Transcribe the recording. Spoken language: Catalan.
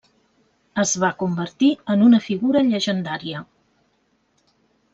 Es va convertir en una figura llegendària.